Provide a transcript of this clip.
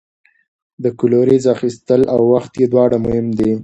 د کلوریز اخیستل او وخت یې دواړه مهم دي.